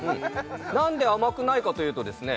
何で甘くないかというとですね